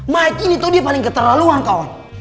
maik ini tuh dia paling keterlaluan kawan